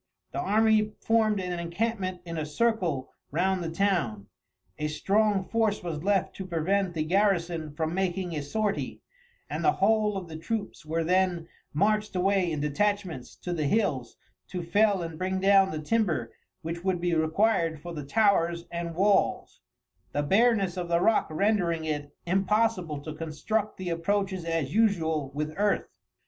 The army formed an encampment in a circle round the town. A strong force was left to prevent the garrison from making a sortie, and the whole of the troops were then marched away in detachments to the hills to fell and bring down the timber which would be required for the towers and walls, the bareness of the rock rendering it impossible to construct the approaches as usual with earth.